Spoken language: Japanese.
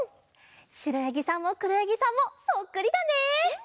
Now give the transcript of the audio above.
しろやぎさんもくろやぎさんもそっくりだね！